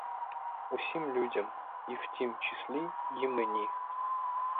Усім людям — і в тім числі й мені.